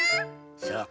そう。